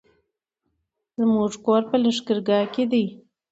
زموږ کور په لښکرګاه کی دی